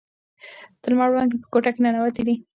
د لمر وړانګې په کوټه کې ننووتې دي.